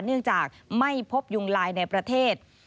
เนื่องจากไม่พบยุงลายในประเทศ